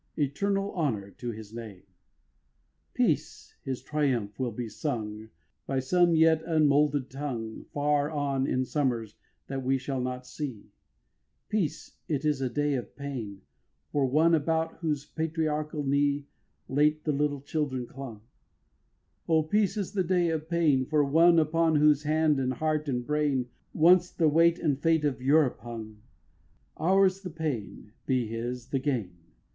Eternal honour to his name. 9. Peace, his triumph will be sung By some yet unmoulded tongue Far on in summers that we shall not see: Peace, it is a day of pain For one about whose patriarchal knee Late the little children clung: O peace, it is a day of pain For one, upon whose hand and heart and brain Once the weight and fate of Europe hung. Ours the pain, be his the gain!